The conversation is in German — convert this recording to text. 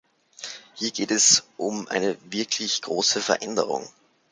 Hier geht es um eine wirklich große Veränderung.